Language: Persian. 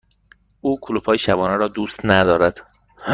او کلوپ های شبانه را دوست ندارد.